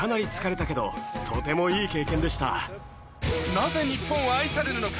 なぜ日本は愛されるのか？